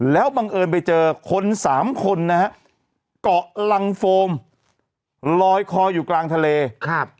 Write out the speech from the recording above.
แล้วบังเอิญไปเจอคนสามคนนะฮะเกาะลังโฟมลอยคออยู่กลางทะเลครับ